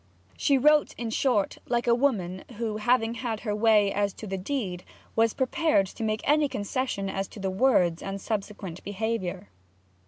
She wrote, in short, like a woman who, having had her way as to the deed, is prepared to make any concession as to words and subsequent behaviour.